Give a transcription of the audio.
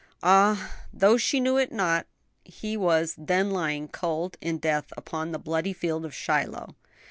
Ah, though she knew it not, he was then lying cold in death upon the bloody field of Shiloh.